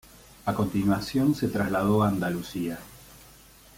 A continuación se trasladó a Andalucía.